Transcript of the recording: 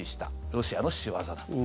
ロシアの仕業だと。